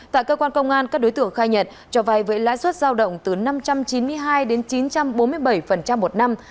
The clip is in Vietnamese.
tại cơ quan công an các đối tượng khai nhật cho vay với lãi suất giao động từ năm trăm chín mươi hai đến chín trăm bốn mươi bảy một năm